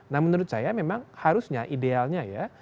nah menurut saya memang harusnya idealnya ya